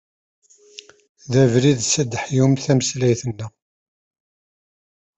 Beddel-iyi-d tasumta.